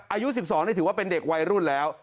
อายุ๑๒นี่ถือว่าเป็นเด็กวัยรุ่นแล้ว